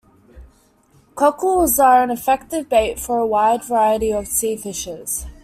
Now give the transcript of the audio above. Cockles are an effective bait for a wide variety of sea fishes.